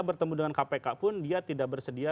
bertemu dengan kpk pun dia tidak bersedia